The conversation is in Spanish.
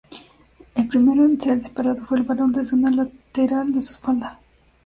El primero en ser disparado fue el varón, desde un lateral de su espalda.